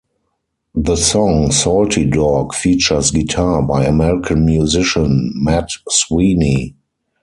The song "Salty Dog" features guitar by American musician Matt Sweeney.